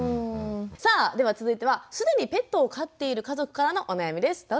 さあでは続いては既にペットを飼っている家族からのお悩みです。